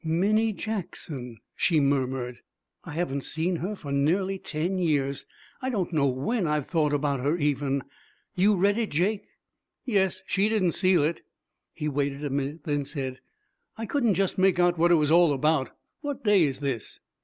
'Minnie Jackson!' she murmured. 'I haven't seen her for nearly ten years. I don't know when I've thought about her, even. You read it, Jake?' 'Yes. She didn't seal it.' He waited a minute, then said, 'I couldn't just make out what it was all about. What day is this?'